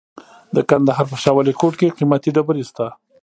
د کندهار په شاه ولیکوټ کې قیمتي ډبرې شته.